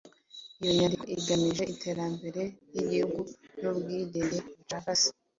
Iyo nyandiko igamije iterambere ry'igihugu n'ubwigenge bucagase